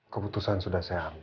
keputusan sudah saya ambil